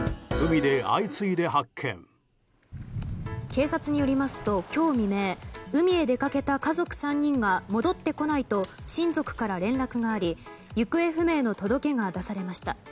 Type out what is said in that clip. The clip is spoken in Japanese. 警察によりますと今日未明海へ出かけた家族３人が戻ってこないと親族から連絡があり行方不明の届けが出されました。